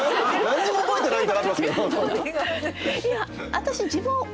何にも覚えてない。